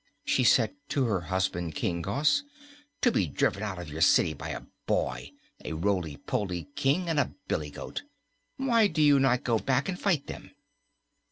she said to her husband, King Gos, "to be driven out of your city by a boy, a roly poly King and a billy goat! Why do you not go back and fight them?"